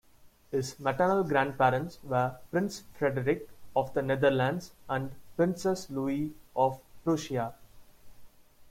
His maternal grandparents were Prince Frederick of the Netherlands and Princess Louise of Prussia.